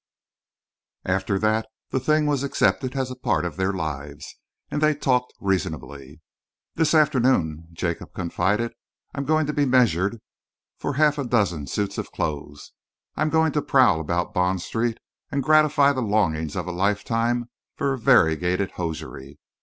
After that, the thing was accepted as part of their lives, and they talked reasonably. "This afternoon," Jacob confided, "I am going to be measured for half a dozen suits of clothes. I am going to prowl about Bond Street and gratify the longings of a lifetime for variegated hosiery.